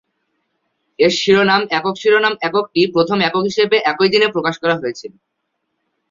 এর শিরোনাম একক শিরোনাম এককটি প্রথম একক হিসেবে একই দিনে প্রকাশ করা হয়েছিল।